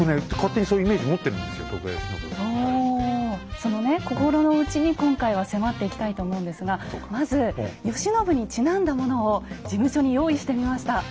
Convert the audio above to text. そのね心の内に今回は迫っていきたいと思うんですがまず慶喜にちなんだものを事務所に用意してみました。